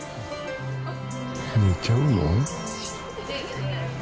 寝ちゃうの？